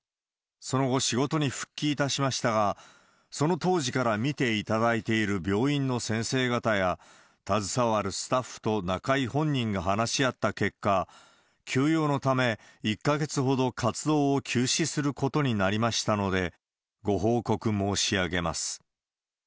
その後、仕事に復帰いたしましたが、その当時から診ていただいている病院の先生方や携わるスタッフと中居本人が話し合った結果、休養のため、１か月ほど活動を休止することになりましたので、ご報告申し上げます。